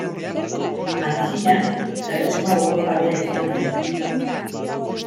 Antzina erresuma burujabea izan zen.